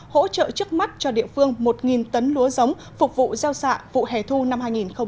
hỗ trợ trước mắt cho địa phương một tấn lúa giống phục vụ gieo xạ vụ hẻ thu năm hai nghìn hai mươi